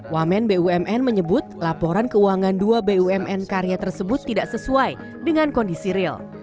wamen bumn menyebut laporan keuangan dua bumn karya tersebut tidak sesuai dengan kondisi real